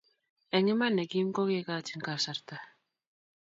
eng iman ne gim ko kekachin kasarta